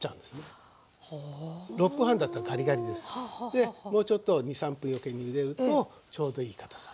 でもうちょっと２３分余計にゆでるとちょうどいいかたさになる。